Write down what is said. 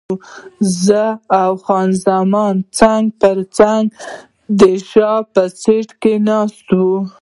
زه او خان زمان څنګ پر څنګ د شا په سیټ کې ناست وو.